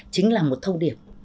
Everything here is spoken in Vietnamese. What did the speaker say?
chính là một thông điệp